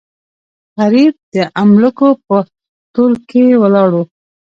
غریب د املوکو په تول کې ولاړو.